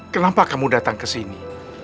kenapa kamu datang kesini